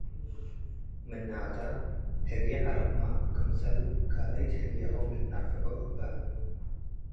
ምናተ፣ ህግየ ዐረብመ ክምሰል ካልኣይት ህግያሆም ልትነፍዖ እበ ።